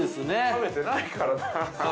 ◆食べてないからなあ。